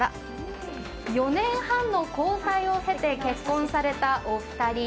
４年半の交際を経て結婚されたお二人。